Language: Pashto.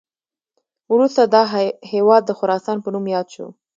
وروسته دا هیواد د خراسان په نوم یاد شو